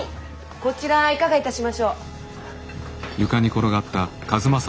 こちらはいかがいたしましょう？